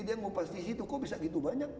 dia ngupas di situ kok bisa gitu banyak